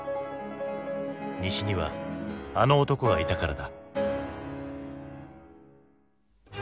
西にはあの男がいたからだ。